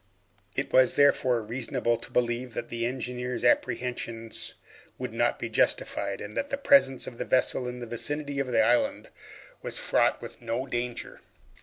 It was, therefore, reasonable to believe that the engineer's apprehensions would not be justified, and that the presence of this vessel in the vicinity of the island was fraught with no danger.